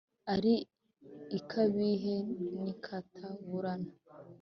ari ikabihe n’ikataburana,